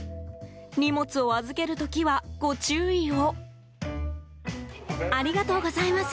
荷物を預ける時は、ご注意を。